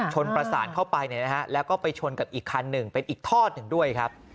ประสานเข้าไปแล้วก็ไปชนกับอีกคันหนึ่งเป็นอีกทอดหนึ่งด้วยครับ